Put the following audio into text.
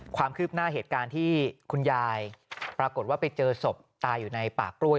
ความคืบหน้าเหตุการณ์ที่คุณยายปรากฏว่าไปเจอศพตายอยู่ในป่ากล้วย